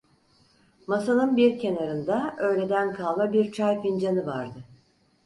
Masanın bir kenarında öğleden kalma bir çay fincanı vardı.